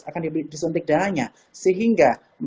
akan disuntik dananya sehingga